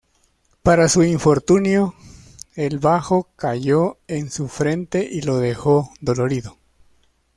Para su infortunio, el bajo cayó en su frente y lo dejó dolorido.